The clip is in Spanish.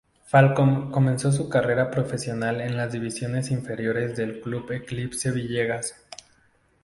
Falcón comenzó su carrera profesional en las divisiones inferiores del Club Eclipse Villegas.